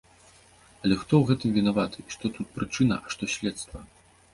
Але хто ў гэтым вінаваты, і што тут прычына, а што следства?